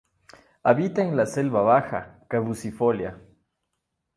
Habita en la selva baja caducifolia.